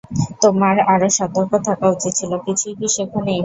তোমার আরও সতর্ক থাকা উচিত ছিল, কিছুই কি শিখোনি?